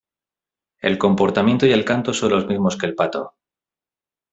El comportamiento y el canto son los mismos que el pato.